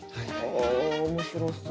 あ面白そう。